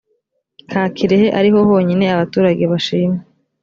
ka kirehe ariho honyine abaturage bashima